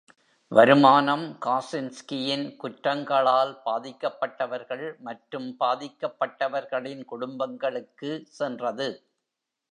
வருமானம் காசின்ஸ்கியின் குற்றங்களால் பாதிக்கப்பட்டவர்கள் மற்றும் பாதிக்கப்பட்டவர்களின் குடும்பங்களுக்கு சென்றது.